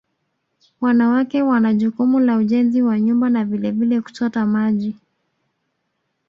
Wanawake wana jukumu la ujenzi wa nyumba na vilevile kuchota maji